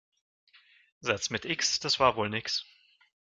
Satz mit X, das war wohl nix.